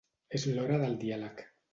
És l’hora del diàleg.